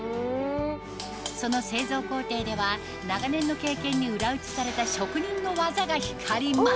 その製造工程では長年の経験に裏打ちされた職人の技が光ります